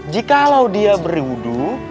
jikalau dia berwudu